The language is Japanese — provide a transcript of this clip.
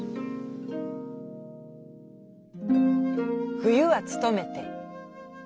「冬はつとめて。